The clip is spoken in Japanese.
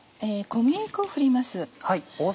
小麦粉を振ります。